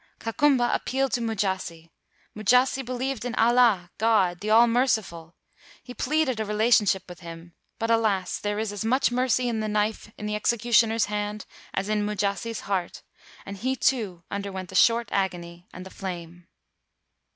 Kakumba ap pealed to Mujasi. Mujasi believed in Allah [God], the All merciful — he pleaded a rela tionship with him; but, alas! there is as much mercy in the knife in the execution er's hand as in Mujasi 's heart, and he too underwent the short agony and the flame.